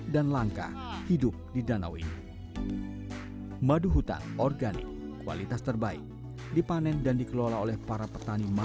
dan langka hidup di danau ini madu hutan organik kualitas terbaik dipanen dan dikelola oleh para